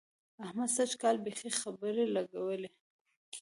احمد سږ کال بېخي خپړې لګوي.